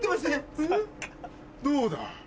どうだ？